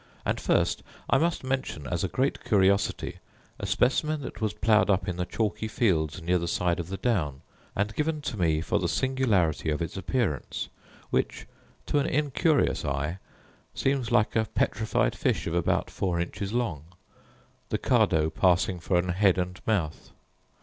And first I must mention, as a great curiosity, a specimen that was ploughed up in the chalky fields, near the side of the down, and given to me for the singularity of its appearance, which, to an incurious eye, seems like a petrified fish of about four inches long, the cardo passing for an head and mouth.